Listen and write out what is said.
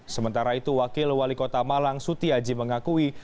sementara itu wakil wali kota malang suti haji mengakui